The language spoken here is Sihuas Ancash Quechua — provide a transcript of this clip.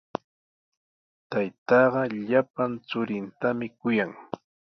Taytaaqa llapan churintami kuyan.